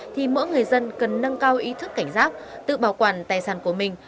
thì mỗi người dân cần nâng cao ý thức cảnh giác tự bảo quản tài sản của mình